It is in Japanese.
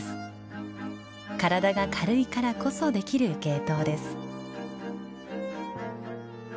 体が軽いからこそできる芸当です。